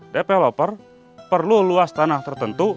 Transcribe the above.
developer perlu luas tanah tertentu